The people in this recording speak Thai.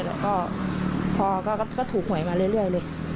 แล้วก็พอก็ถูกหวยมาเรื่อยเลย